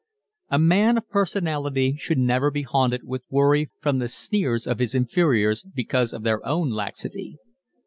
A man of personality should never be haunted with worry from the sneers of his inferiors because of their own laxity.